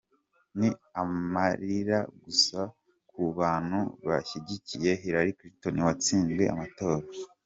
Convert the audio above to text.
Ni amarira gusa ku bantu bashyigikiye Hillary Clinton watsinzwe amatora.